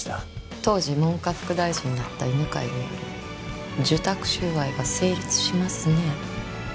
当時文科副大臣だった犬飼による受託収賄が成立しますね。